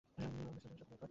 ওর বিশ্লেষণ শক্তি প্রখর।